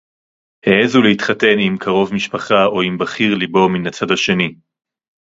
העזו להתחתן עם קרוב משפחה או עם בחיר לבו מן הצד השני